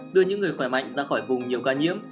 đưa những người khỏe mạnh ra khỏi vùng nhiều ca nhiễm